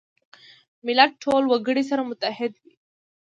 ملت ټول وګړي سره متحد وي.